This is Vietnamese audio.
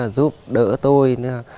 giúp đỡ tôi